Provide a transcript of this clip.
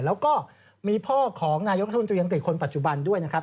แล้วก็มีพ่อของนายกรัฐมนตรีอังกฤษคนปัจจุบันด้วยนะครับ